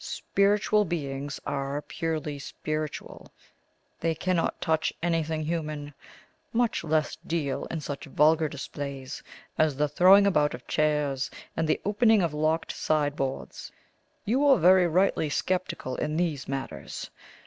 Spiritual beings are purely spiritual; they cannot touch anything human, much less deal in such vulgar display as the throwing about of chairs, and the opening of locked sideboards. You were very rightly sceptical in these matters.